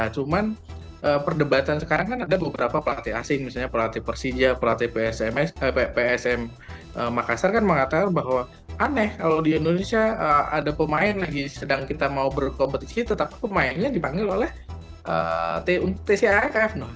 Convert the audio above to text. cuman perdebatan sekarang kan ada beberapa pelatih asing misalnya pelatih persija pelatih psm makassar kan mengatakan bahwa aneh kalau di indonesia ada pemain lagi sedang kita mau berkompetisi tetapi pemainnya dipanggil oleh tcif